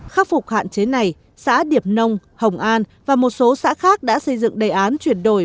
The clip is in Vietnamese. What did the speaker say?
khắc phục hạn chế này xã điệp nông hồng an và một số xã khác đã xây dựng đề án chuyển đổi